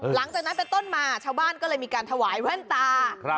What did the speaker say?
หลังจากนั้นเป็นต้นมาชาวบ้านก็เลยมีการถวายแว่นตา